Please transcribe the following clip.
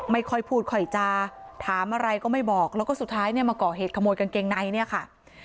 ไม่ค่อยพูดค่อยจาถามอะไรก็ไม่บอกแล้วก็สุดท้ายเนี่ยมาก่อเหตุขโมยกางเกงในเนี่ยค่ะ